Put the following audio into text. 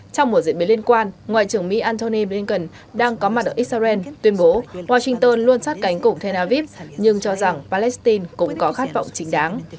trong một diễn biến liên quan ngoại trưởng mỹ antony blinken đang có mặt ở israel tuyên bố washington luôn sát cánh cùng tel aviv nhưng cho rằng palestine cũng có khát vọng chính đáng